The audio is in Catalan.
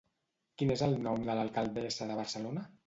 Quin és el nom de l'alcaldessa de Barcelona?